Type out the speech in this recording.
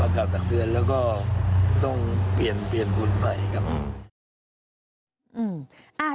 กล่าวตักเตือนแล้วก็ต้องเปลี่ยนทุนไปครับ